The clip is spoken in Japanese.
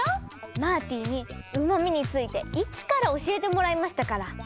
マーティにうまみについて一から教えてもらいましたから！